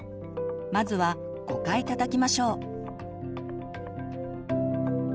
まずは５回たたきましょう。